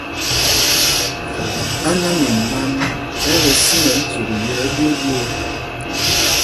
Áná mimbám ɛ kɛ sinɛl cyûk yɛ̄ ɛɓyōō ɓyoo.